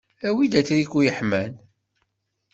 Awi-d atriku yeḥman.